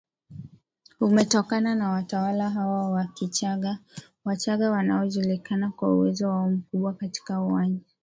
umetokana na watawala hawa wa KichaggaWachagga wanajulikana kwa uwezo wao mkubwa katika uwanja